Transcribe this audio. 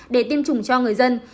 để tiêm chủng cho người dân